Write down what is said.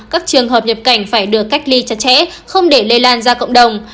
các trường hợp nhập cảnh phải được cách ly chặt chẽ không để lây lan ra cộng đồng